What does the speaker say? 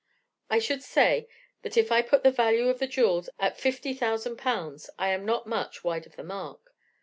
I should say if I put the value of the jewels at 50,000 pounds I am not much wide of the mark.